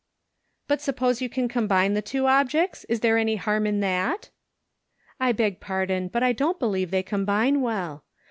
*' But suppose you can combine the two objects ? Is there any harm in that ?" "I beg pardon, but I don't believe they combine well.